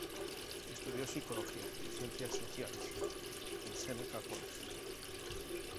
Estudió psicología y ciencias sociales en "Seneca College".